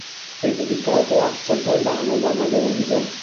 È dedicata a sant'Albano da Magonza.